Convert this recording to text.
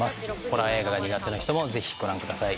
ホラー映画が苦手な人もぜひご覧ください。